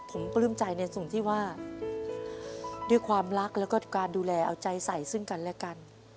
ผมปลื้มใจในส่วนที่ว่าด้วยความรักแล้วก็การดูแลเอาใจใส่ซึ่งกันและกัน